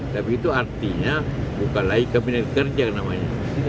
tapi itu artinya bukan lagi kabinet kerja namanya